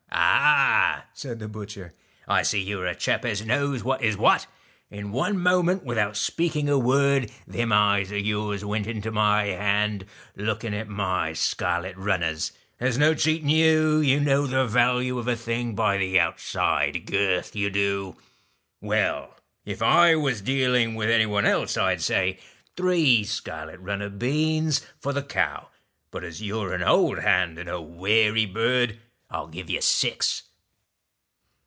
' Ah !' said the butcher, ' I see you are a chap as knows what is what. In one moment, without speaking a word, them eyes of yours went into my hand, looking at my scarlet runners. There is no cheating you, you know the value of a thing by the outside girth, you do. Well if I was dealing with TACK any one else, I 'd say, three scarlet runner beans A1 t I i^J I for the cow, but as you 're an old hand, and a wary STALK bird, I'll give you six.'